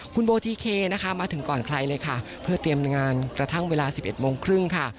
คุณโบทีเคนะคะมาถึงก่อนใครเลยค่ะเพื่อเตรียมงานกระทั่งเวลา๑๑โมงครึ่งค่ะ